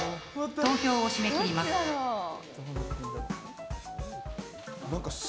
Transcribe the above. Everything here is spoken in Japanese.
投票を締め切ります。